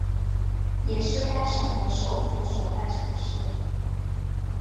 也是该省的首府所在城市。